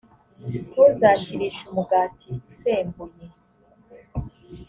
ntuzakirishe umugati usembuye;